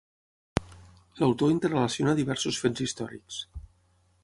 L'autor interrelaciona diversos fets històrics.